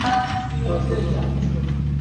নয়তো ধূর্ত কিছু করবে।